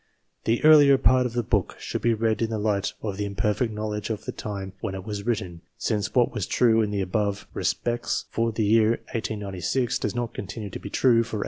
The earlier part of the book should be read in the light of the imperfect knowledge of the time when it was written, since what was true in the above respects PREFATORY CHAPTER for the year 1869 does not continue to be true for 1892.